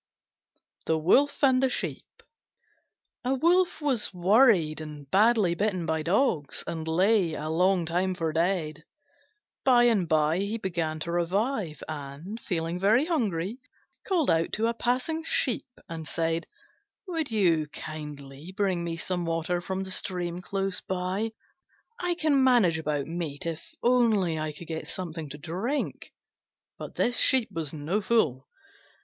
THE WOLF AND THE SHEEP A Wolf was worried and badly bitten by dogs, and lay a long time for dead. By and by he began to revive, and, feeling very hungry, called out to a passing Sheep and said, "Would you kindly bring me some water from the stream close by? I can manage about meat, if only I could get something to drink." But this Sheep was no fool.